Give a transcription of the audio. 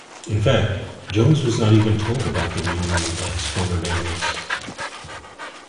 In fact, Jones was not even told about the reunion by his former bandmates.